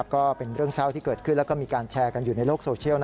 ก็เป็นเรื่องเศร้าที่เกิดขึ้นแล้วก็มีการแชร์กันอยู่ในโลกโซเชียล